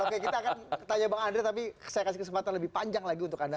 oke kita akan tanya bang andre tapi saya kasih kesempatan lebih panjang lagi untuk anda